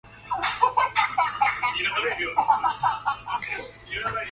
Wolpe, Joseph and David Wolpe.